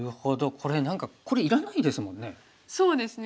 これ何かこれいらないですもんね。